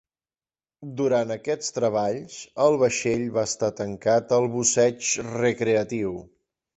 Durant aquests treballs, el vaixell va estar tancat al busseig recreatiu.